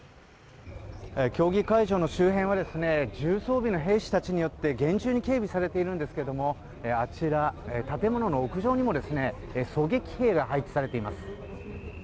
協議会場の周辺は重装備の兵士たちによって厳重に警備されているんですがあちら、建物の屋上にも狙撃兵が配置されています。